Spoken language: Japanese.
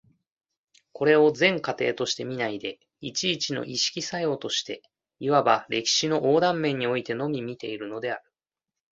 これを全過程として見ないで、一々の意識作用として、いわば歴史の横断面においてのみ見ているのである。